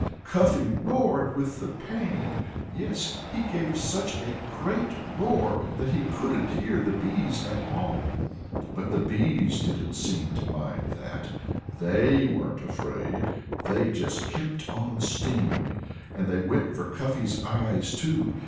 Cuffy roared with the pain. Yes he gave such a great roar that he couldn't hear the bees at all. But the bees didn't seem to mind that. They weren't afraid. They just kept on stinging. And they went for Cuffy's eyes, too.